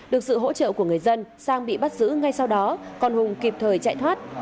được sự hỗ trợ của người dân sang bị bắt giữ ngay sau đó còn hùng kịp thời chạy thoát